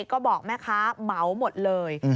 ก็บอกแม่ค้าเหมาหมดเลย